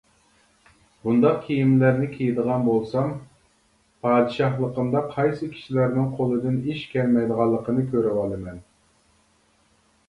بۇنداق كىيىملەرنى كىيىدىغان بولسام، پادىشاھلىقىمدا قايسى كىشىلەرنىڭ قولىدىن ئىش كەلمەيدىغانلىقىنى كۆرۈۋالىمەن.